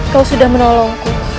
kau sudah menolongku